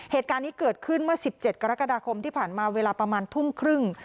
เหตุการณ์นี้เกิดขึ้นเมื่อ๑๗กรกฎาคมที่ผ่านมาเวลาประมาณทุ่มครึ่ง